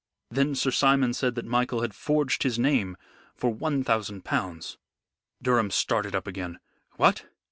Then Sir Simon said that Michael had forged his name for one thousand pounds." Durham started up again. "What!